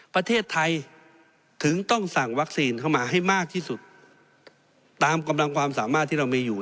ประเทศไทยถึงต้องสั่งวัคซีนเข้ามาให้มากที่สุดตามกำลังความสามารถที่เรามีอยู่